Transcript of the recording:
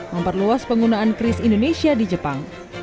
memperluas penggunaan kris indonesia di jepang